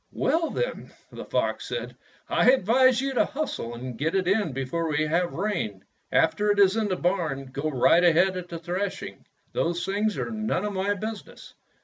"Well, then," the fox said, "I advise you to hustle and get it in before we have rain. After it is in the barn go right at the thresh ing. Those things are none of my business.